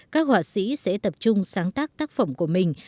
các họa sĩ sẽ tập trung sáng tác tác phẩm của mình